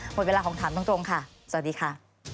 หมดเวลาของถามตรงค่ะสวัสดีค่ะ